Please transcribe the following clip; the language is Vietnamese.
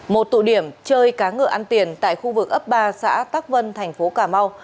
một tụ điểm chơi cá ngựa ăn tiền tại khu vực ấp ba xã tắc vân thành phố cà mau